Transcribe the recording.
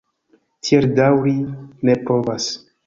Tiel daŭri ne povas!